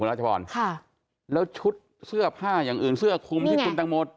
ราชพรค่ะแล้วชุดเสื้อผ้าอย่างอื่นเสื้อคุมที่คุณตังโม